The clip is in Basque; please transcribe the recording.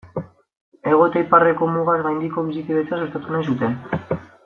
Hego eta Iparreko mugaz gaindiko bizikidetza sustatu nahi zuten.